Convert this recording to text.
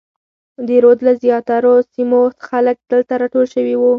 د رود له زیاترو سیمو خلک دلته راټول شوي وو.